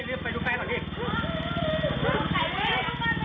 สวัสดีสวัสดี